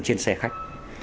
trên xe khách